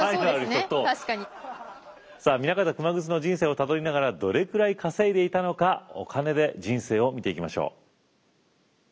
さあ南方熊楠の人生をたどりながらどれくらい稼いでいたのかお金で人生を見ていきましょう。